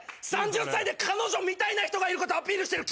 ３０歳で彼女みたいな人がいることアピールしてる。